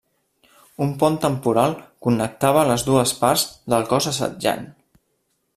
Un pont temporal connectava les dues parts del cos assetjant.